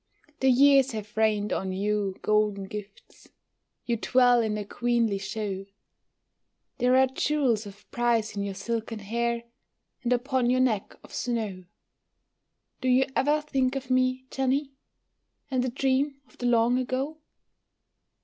The years have rained on you golden gifts, You dwell in a queenly show; There are jewels of price in your silken hair, And upon your neck of snow. Do you ever think of me, Jenny, And the dream of the long ago?